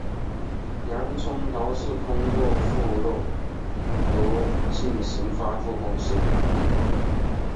洋葱头是通过部落格进行发布更新。